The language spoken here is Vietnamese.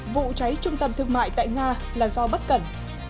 vụ cháy trung tâm thương mại tại nga là do bất cẩn